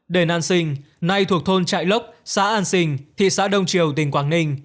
đền an sinh nay thuộc thôn trại lốc xã an sinh thị xã đông triều tỉnh quảng ninh